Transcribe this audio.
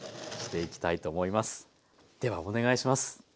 ではお願いします。